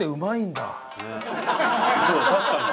そう確かに。